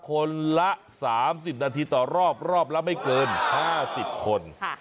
คนละสามสิบนาทีต่อรอบรอบละไม่เกินห้าสิบคนค่ะ